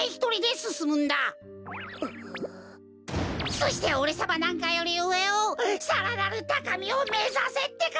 そしておれさまなんかよりうえをさらなるたかみをめざせってか！